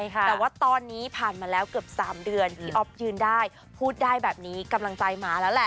แต่ว่าตอนนี้ผ่านมาแล้วเกือบ๓เดือนพี่อ๊อฟยืนได้พูดได้แบบนี้กำลังใจมาแล้วแหละ